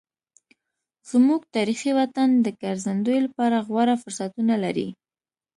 زموږ تاریخي وطن د ګرځندوی لپاره غوره فرصتونه لري.